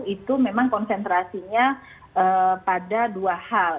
itu memang konsentrasinya pada dua hal